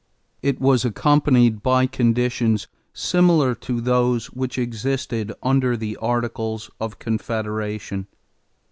It was accompanied by conditions similar to those which existed under the Articles of Confederation.